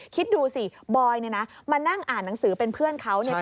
คิดดูสิบอยมานั่งอ่านหนังสือเป็นเพื่อนเขา